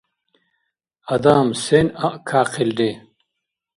— Адам сен аъкяхъилри?